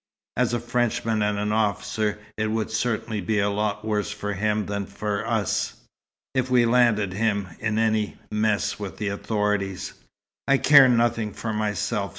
As a Frenchman and an officer, it would certainly be a lot worse for him than for us, if we landed him in any mess with the authorities." "I care nothing for myself."